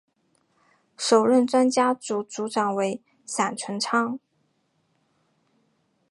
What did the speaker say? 首任专家组组长为闪淳昌。